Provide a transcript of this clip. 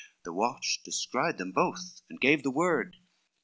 The watch descried them both, and gave the word.